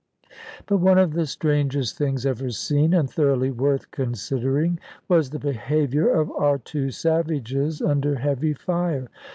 But one of the strangest things ever seen, and thoroughly worth considering, was the behaviour of our two savages under heavy fire.